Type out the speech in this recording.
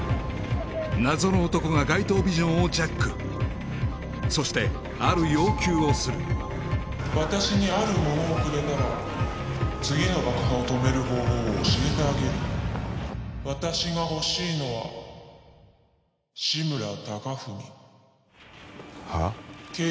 謎の男が街頭ビジョンをジャックそしてある要求をする私にあるものをくれたら次の爆破を止める方法を教えてあげる私が欲しいのは志村貴文はあ？